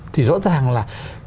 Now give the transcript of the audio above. thì rõ ràng là